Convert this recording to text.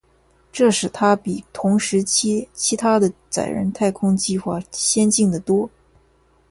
这使它比同时期其它的载人太空计划先进得多。